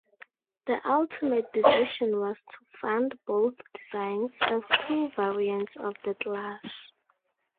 The ultimate decision was to fund both designs as two variants of the class.